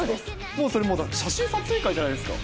もうそれ、写真撮影会じゃないですか。